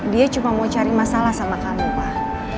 dia cuma mau cari masalah sama kamu mah